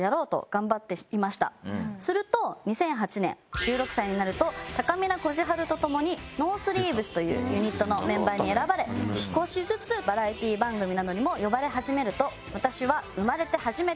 すると２００８年１６歳になるとたかみなこじはるとともにノースリーブスというユニットのメンバーに選ばれ少しずつバラエティ番組などにも呼ばれ始めると私は。